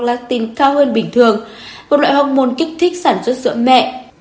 prolactin cao hơn bình thường một loại hông môn kích thích sản xuất sữa mẹ